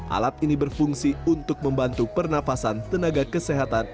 alat ini berfungsi untuk membantu pernafasan tenaga kesehatan